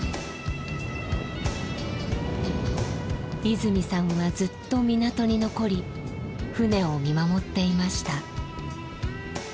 泉さんはずっと港に残り船を見守っていました。